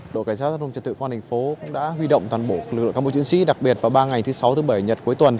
đội cảnh sát giao thông trả tự công an thành phố đã huy động toàn bộ lực lượng các bộ chuyển sĩ đặc biệt vào ba ngày thứ sáu thứ bảy nhật cuối tuần